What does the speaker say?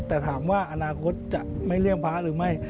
แต่ถามว่าอนาคตจะไม่เลี่ยงพระหรือไม่